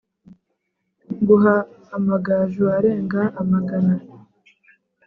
Nguha amagaju arenga amagana